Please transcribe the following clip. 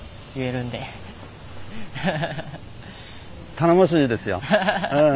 頼もしいですようん。